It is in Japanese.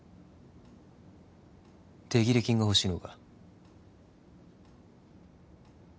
手切れ金がほしいのか？